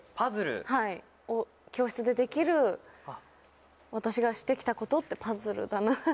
はい教室でできる私がして来たことってパズルだなって。